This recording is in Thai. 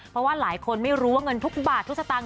เพราะว่าหลายคนไม่รู้ว่าเงินทุกบาททุกสตางค